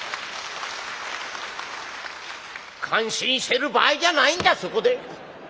「感心してる場合じゃないんだそこで。